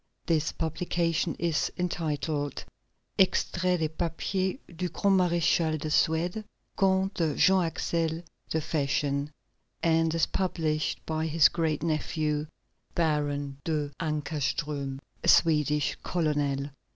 This publication is entitled: Extraits des papiers du grand maréchal de Suède, Comte Jean Axel de Fersen, and is published by his great nephew, Baron de Kinckowstrom, a Swedish colonel.